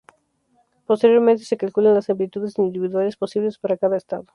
Posteriormente, se calculan las amplitudes individuales posibles para cada estado.